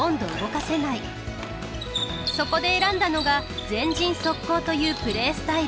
そこで選んだのが「前陣速攻」というプレースタイル。